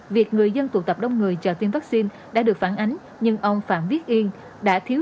việc người dân tụ tập đông người chờ tiêm vaccine đã được phản ánh nhưng ông phạm viết yên đã thiếu